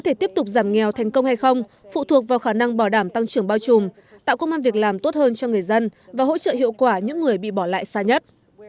có thể tiếp tục giảm nghèo thành công hay không phụ thuộc vào khả năng bảo đảm tăng trưởng bao trùm tạo công an việc làm tốt hơn cho người dân và hỗ trợ hiệu quả những người bị bỏ lại xa nhất